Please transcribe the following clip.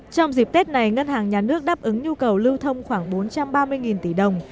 trong dịp tết này ngân hàng nhà nước đáp ứng nhu cầu lưu thông khoảng bốn trăm ba mươi tỷ đồng